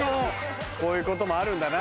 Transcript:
こういうこともあるんだな。